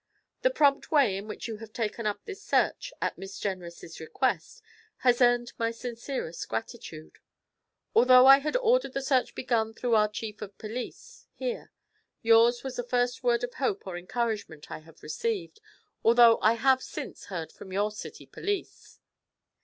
The prompt way in which you have taken up this search, at Miss Jenrys' request, has earned my sincerest gratitude. Although I had ordered the search begun through our chief of police here, yours was the first word of hope or encouragement I have received, although I have since heard from your city police.